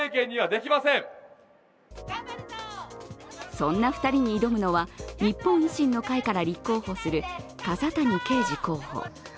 そんな２人に挑むのは日本維新の会から立候補する笠谷圭治候補。